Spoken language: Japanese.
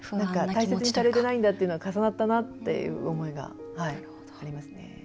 大切にされてないんだっていうのが重なったなっていう思いがありますね。